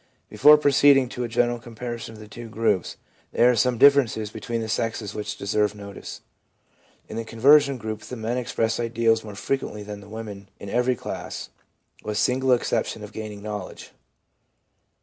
Before proceeding to a general comparison of the two groups, there are some differences between the sexes which deserve notice. In the conversion group the men express ideals more frequently than the women in every class, with the single exception of gaining knowledge.